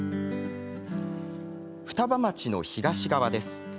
双葉町の東側です。